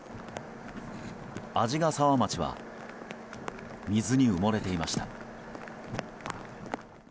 鰺ヶ沢町は水に埋もれていました。